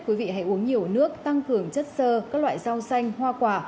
quý vị hãy uống nhiều nước tăng cường chất sơ các loại rau xanh hoa quả